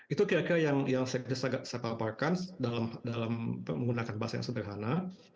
itu kira kira yang saya paparkan dalam menggunakan bahasa yang sederhana